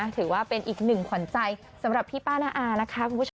ถือว่าเป็นอีกหนึ่งขวัญใจสำหรับพี่ป้าน้าอานะคะคุณผู้ชม